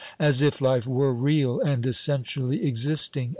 As if life were real and essentially existing